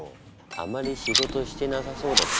あまり仕事してなさそうだし。